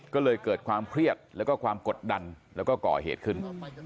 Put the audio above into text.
ก็เลยเกิดความเครียดแล้วก็ความกดดันแล้วก็ก่อเหตุขึ้น